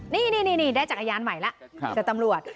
นี่ได้จักรยานใหม่ล่ะแต่ตำรวจ